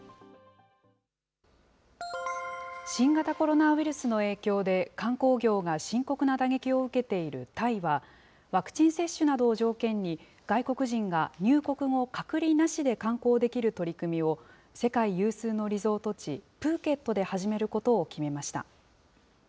新型コロナウイルスの影響で、観光業が深刻な打撃を受けているタイは、ワクチン接種などを条件に、外国人が入国後隔離なしで観光できる取り組みを世界有数のリゾート地、プーケットで始めることを決めました。